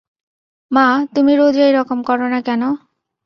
মা, তুমি রোজ এই রকম কর না কেন?